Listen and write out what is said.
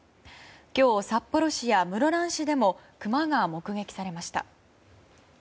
今日、札幌市や室蘭市でもクマが目撃されました。